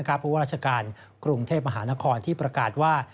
เพราะว่าราชการกรุงเทพมหานครที่ประกาศว่า